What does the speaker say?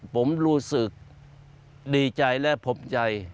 ผมรู้สึกดีใจและผมใจ